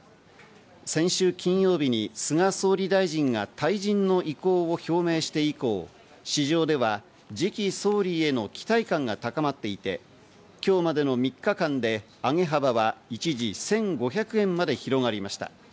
先週金曜日に菅総理大臣が退陣の意向を表明して以降、市場では次期総理への期待感が高まっていて、今日までの３日間で上げ幅は一時１５００円まで広がりました。